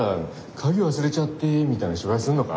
「鍵忘れちゃって」みたいな芝居すんのか。